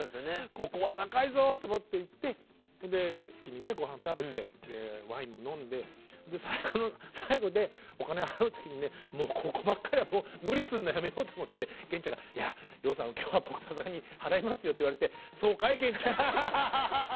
ここは高いぞと思って行って好きにごはん食べてワインも飲んで最後でお金払う時にもうここばっかりは無理すんのやめようと思って源ちゃんが「洋さん今日は僕さすがに払いますよ」って言われてハハハハハハ。